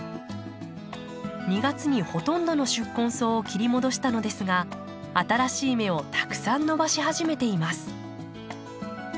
２月にほとんどの宿根草を切り戻したのですが新しい芽をたくさん伸ばし始めています。